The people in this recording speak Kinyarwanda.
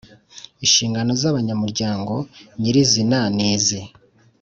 Inshingano z abanyamuryango nyirizina ni izi